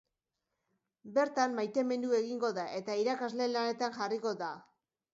Bertan maitemindu egingo da, eta irakasle lanetan jarriko da.